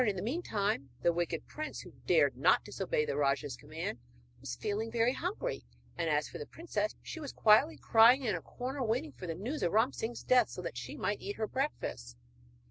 In the meantime, the wicked prince, who dared not disobey the rajah's command, was feeling very hungry; and as for the princess, she was quietly crying in a corner waiting for the news of Ram Singh's death, so that she might eat her breakfast.